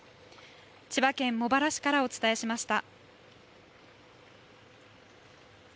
千葉県茂原市からお伝えしました。